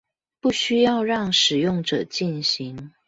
不需要讓使用者進行